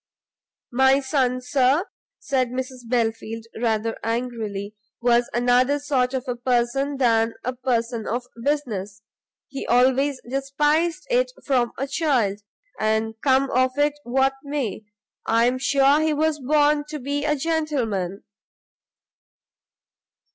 "My son, Sir," said Mrs Belfield, rather angrily, "was another sort of a person than a person of business: he always despised it from a child, and come of it what may, I am sure he was born to be a gentleman."